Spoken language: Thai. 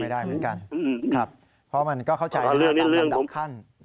ตอบไม่ได้เหมือนกันเพราะมันก็เข้าใจเรื่องต่างดับขั้น